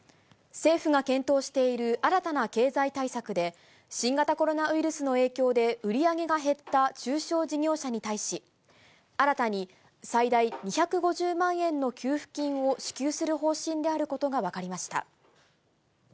政府が検討している新たな経済対策で、新型コロナウイルスの影響で売り上げが減った中小事業者に対し、新たに最大２５０万円の給付金を支給する方針であることが分かりました。